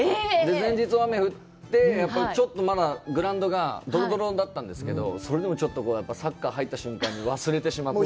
前日は雨が降って、ちょっとまだグラウンドがドロドロだったんですけど、それでも、ちょっとサッカー入った瞬間に忘れてしまって。